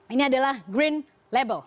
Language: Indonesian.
ini adalah green label